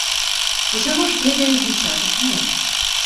Усяго ж ведае з дзясятак моў.